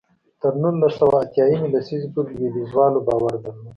تر نولس سوه اتیا یمې لسیزې پورې لوېدیځوالو باور درلود.